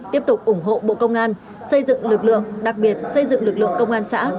tiếp tục ủng hộ bộ công an xây dựng lực lượng đặc biệt xây dựng lực lượng công an xã